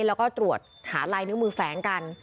แล้วก็ตรวจหาลายนิ้วมือแฝงกัน